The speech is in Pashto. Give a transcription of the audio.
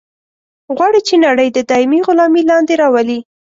غواړي چې نړۍ د دایمي غلامي لاندې راولي.